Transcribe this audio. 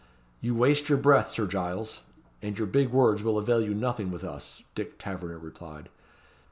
"You waste your breath, Sir Giles, and your big words will avail you nothing with us," Dick Taverner replied.